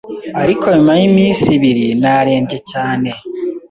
ariko nyuma y’iminsi ibiri narembye cyane